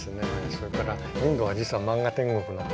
それからインドは実は漫画天国なんです。